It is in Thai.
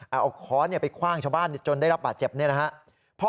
เอาค้อนไปคว่างชาวบ้านจนได้รับบาดเจ็บเนี่ยนะครับ